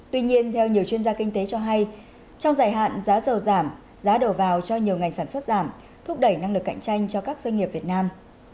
tuy nhiên theo nhiều chuyên gia kinh tế cho hay trong dài hạn giá dầu giảm giá đầu vào cho nhiều ngành sản xuất giảm thúc đẩy năng lực cạnh tranh cho các doanh nghiệp việt nam